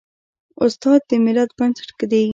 استاد د ملت بنسټ ږدي.